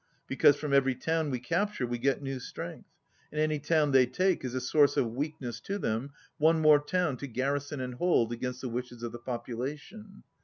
Because from every town we capture we get new strength. And any town they take is a source of weakness to them, one more town to garrison ,104 and hold against the wishes of the population."